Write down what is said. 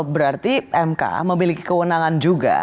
berarti mk memiliki kewenangan juga